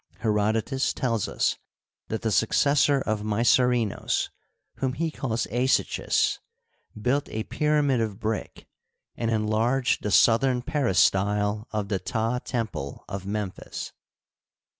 Herodotus tells us that the Successor of Mycerinos, whom he calls Asychts, built a pyramid of brick, and enlarged the southern peristyle of the Ptah temple of Memphis.